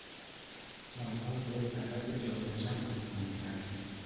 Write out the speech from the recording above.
سالها دل طلب جام جم از ما میکرد.